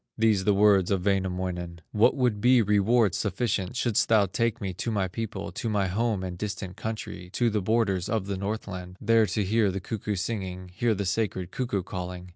These the words of Wainamoinen: "What would be reward sufficient, Shouldst thou take me to my people, To my home and distant country, To the borders of the Northland, There to hear the cuckoo singing, Hear the sacred cuckoo calling?